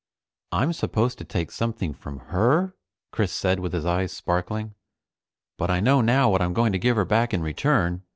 "I'm supposed to take something from her," Chris said with his eyes sparkling, "but I know now what I'm going to give her back in return.